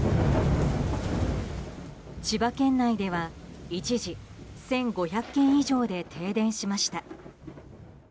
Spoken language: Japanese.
千葉県内では一時１５００軒以上で停電しました。